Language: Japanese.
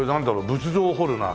仏像を彫るなあ。